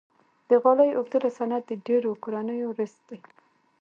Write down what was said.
د غالۍ اوبدلو صنعت د ډیرو کورنیو رزق دی۔